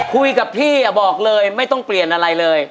คุยกับพี่บอกเลยไม่ต้องเปลี่ยนอะไรเลย